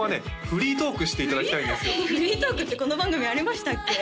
フリートークってこの番組ありましたっけ？